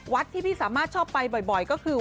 ที่พี่สามารถชอบไปบ่อยก็คือ